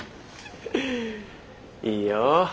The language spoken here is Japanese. いいよ。